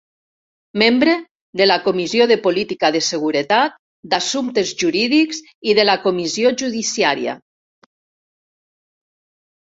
Membre de la comissió de política de seguretat, d'assumptes jurídics i de la comissió judiciària.